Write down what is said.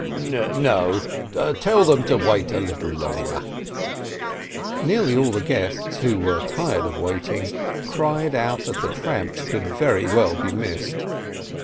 .. No, tell them to wait a little longer !" Nearly all the guests, who were tired of waiting, cried out that the tramps could very well be missed.